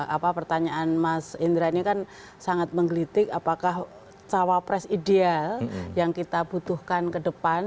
apa pertanyaan mas indra ini kan sangat menggelitik apakah cawapres ideal yang kita butuhkan ke depan